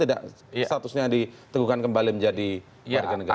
tidak statusnya diteguhkan kembali menjadi warga negara